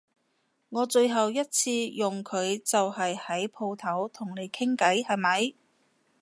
我最後一次用佢就係喺舖頭同你傾偈係咪？